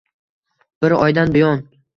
— Bir oydan buyon?!